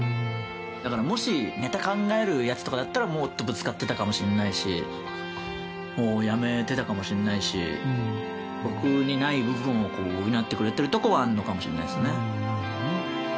だからもしネタ考えるやつとかだったらもっとぶつかってたかもしんないしもう辞めてたかもしんないし僕にない部分を補ってくれてるとこはあるのかもしれないですね。